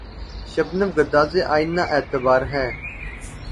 شبنم‘ گداز آئنۂ اعتبار ہے